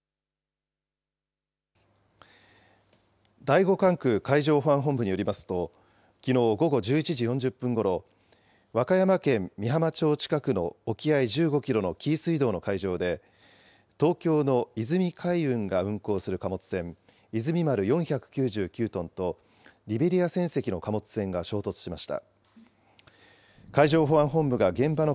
第５管区海上保安本部によりますときのう午後１１時４０分ごろ、和歌山県美浜町近くの沖合１５キロの紀伊水道の東京の泉海運が運航する貨物船、いずみ丸４９９トンと、リベリア船籍の貨物船が衝突しました。